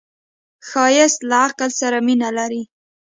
ښایست له عقل سره مینه لري